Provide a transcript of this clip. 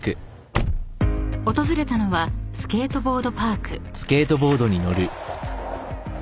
［訪れたのはスケートボードパーク］